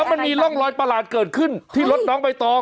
มันมีร่องรอยประหลาดเกิดขึ้นที่รถน้องใบตอง